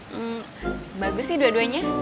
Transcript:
hmm bagus sih dua duanya